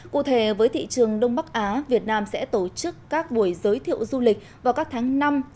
cụ thể với thị trường đông bắc á việt nam sẽ tổ chức các buổi giới thiệu du lịch vào các tháng năm sáu bảy chín